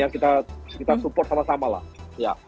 kita harapkan ya kita support sama sama lah ya